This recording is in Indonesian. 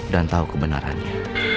dan tahu kebenarannya